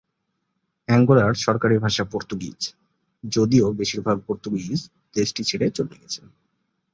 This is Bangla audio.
অ্যাঙ্গোলার সরকারি ভাষা পর্তুগিজ, যদিও বেশির ভাগ পর্তুগিজ দেশটি ছেড়ে চলে গেছেন।